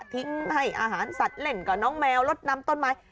ให้อาหารสัตว์เล่นกับน้องแมวรถนำต้นไม้